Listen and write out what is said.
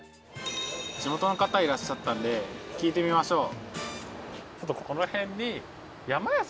地元の方いらっしゃったんで聞いてみましょう。